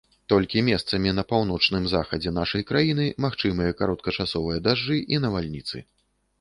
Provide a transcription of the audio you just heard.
Толькі месцамі на паўночным захадзе нашай краіны магчымыя кароткачасовыя дажджы і навальніцы.